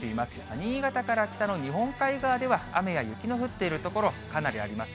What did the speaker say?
新潟から北の日本海側では、雨や雪の降っている所、かなりあります。